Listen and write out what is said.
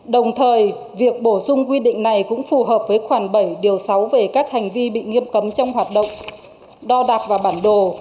đồng thời việc bổ sung quy định này cũng phù hợp với khoản bảy điều sáu về các hành vi bị nghiêm cấm trong hoạt động đo đạc và bản đồ